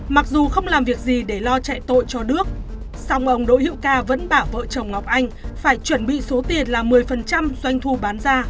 mặc dù không làm việc gì để lo chạy tội cho đước song ông đỗ hữu ca vẫn bảo vợ chồng ngọc anh phải chuẩn bị số tiền là một mươi doanh thu bán ra